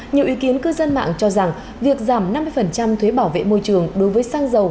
nhiều ý kiến cư dân mạng cho rằng việc giảm năm mươi thuế bảo vệ môi trường đối với xăng dầu